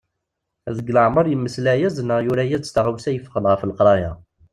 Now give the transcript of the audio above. Deg leɛmer yemmeslay-as-d neɣ yura-as-d taɣawsa yeffɣen ɣef leqraya.